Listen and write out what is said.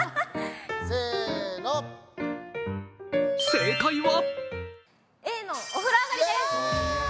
正解は？